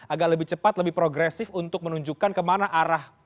agak lebih cepat lebih progresif untuk menunjukkan kemana arah